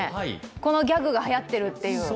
このギャグがはやってるという。